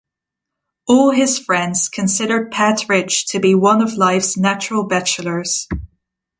All his friends considered Pett Ridge to be one of life's natural bachelors.